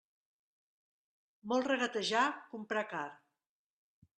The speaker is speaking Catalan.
Molt regatejar, comprar car.